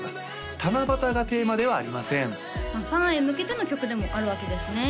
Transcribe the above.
七夕がテーマではありませんファンへ向けての曲でもあるわけですね